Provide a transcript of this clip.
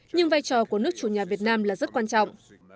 nhưng vai trò của nước chủ nhà việt nam là rất quan trọng